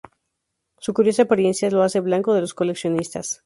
Su curiosa apariencia lo hace blanco de los coleccionistas.